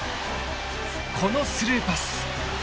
このスルーパス。